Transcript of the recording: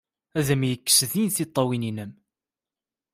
Ad am-d-yekkes Dan tiṭṭawin-nnem!